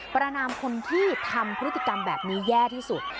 ประนามคนที่ทำพฤติกรรมแบบนี้แย่ที่สุด